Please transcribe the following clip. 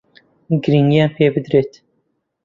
گرنگییان پێ بدرێت